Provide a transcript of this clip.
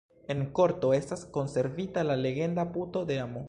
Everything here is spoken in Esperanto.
En korto estas konservita la legenda Puto de amo.